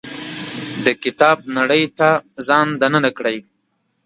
د کتاب نړۍ ته ځان دننه کړي.